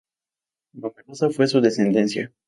Numerosa fue su descendencia.